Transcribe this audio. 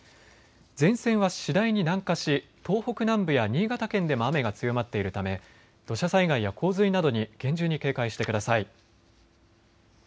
前線は次第に南下し、東北南部や新潟県でも雨が強まっているため土砂災害や洪水などに厳重に警戒してください。